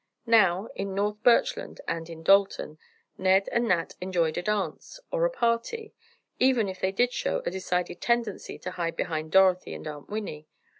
Now, in North Birchland and in Dalton, Ned and Nat enjoyed a dance, or a party, even if they did show a decided tendency to hide behind Dorothy and Aunt Winnie.